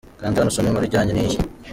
Kanda Hano usome inkuru ijyanye n’iyi.